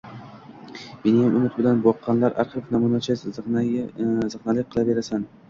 -Meniyam umid bilan boqqanlar axir. Namuncha ziqnalik qilaverasan?!